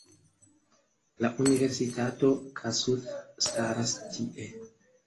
La Universitato Kossuth staras tie.